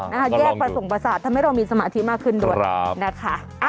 แยกประสงค์ประสาททำให้เรามีสมาธิมากขึ้นด้วยนะคะ